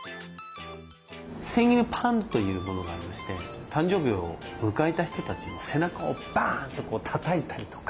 センイルパンというものがありまして誕生日を迎えた人たちの背中を「バン！」とたたいたりとか。